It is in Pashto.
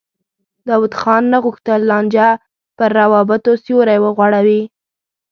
داود خان نه غوښتل لانجه پر روابطو سیوری وغوړوي.